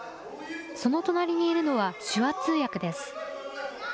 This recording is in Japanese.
その隣にいるのは、手話通訳です。